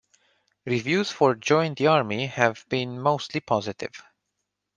Reviews for "Join the Army" have been mostly positive.